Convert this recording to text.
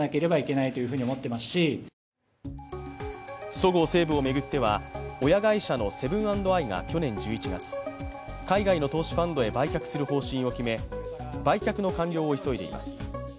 そごう・西武を巡っては親会社のセブン＆アイが去年１１月、海外の投資ファンドへ売却する方針を決め、売却の完了を急いでいます。